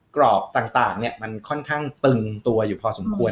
กรอบต่างมันค่อนข้างตึงตัวอยู่พอสมควร